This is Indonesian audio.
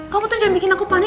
kamu tuh jangan bikin aku panik